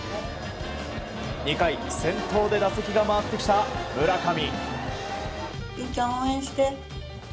２回、先頭で打席が回ってきた村上。